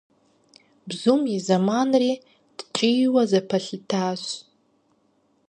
Бзум и зэманри ткӀийуэ зэпэлъытащ.